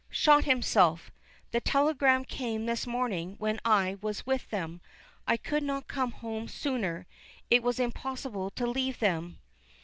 Shot himself! the telegram came this morning when I was with them. I could not come home sooner; it was impossible to leave them."